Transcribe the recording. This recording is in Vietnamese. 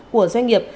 của doanh nghiệp